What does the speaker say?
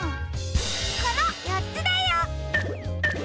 このよっつだよ！